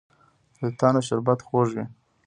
د توتانو شربت خوږ وي.